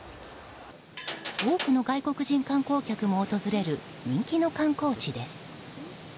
多くの外国人観光客も訪れる人気の観光地です。